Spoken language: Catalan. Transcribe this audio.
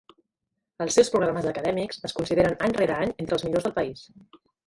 Els seus programes acadèmics es consideren any rere any entre els millors del país.